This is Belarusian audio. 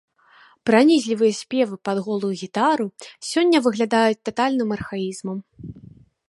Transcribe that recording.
Пранізлівыя спевы пад голую гітару сёння выглядаюць татальным архаізмам.